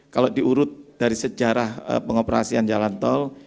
kalau diurut dari sejarah pengoperasian jalan tol